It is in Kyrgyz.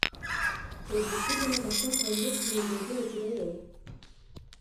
Фэйсбукту жана башка коомдук түйүндөрдү өчүрөбү?